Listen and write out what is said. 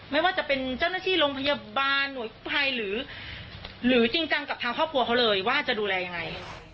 ไม่ว่าจะเป็นเจ้าหน้าที่โรงพยาบาลหน่วยกู้ภัยหรือจริงจังกับทางครอบครัวเขาเลยว่าจะดูแลยังไง